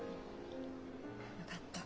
よかった。